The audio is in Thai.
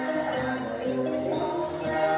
การทีลงเพลงสะดวกเพื่อความชุมภูมิของชาวไทยรักไทย